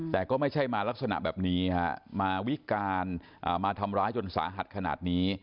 แต่ก็ไม่ใช่มาลักษณะแบบนี้ฮะมาวิการมาทำร้ายจนสาหัสขนาดนี้